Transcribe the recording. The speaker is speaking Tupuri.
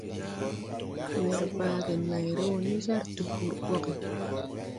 Wer bagge nāyre wō ni jar tpur boge.